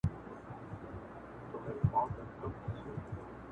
نه به ترنګ د آدم خان ته درخانۍ کي پلو لیري!!